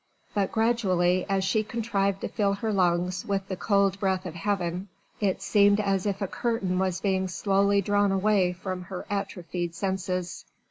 But gradually as she contrived to fill her lungs with the cold breath of heaven, it seemed as if a curtain was being slowly drawn away from her atrophied senses.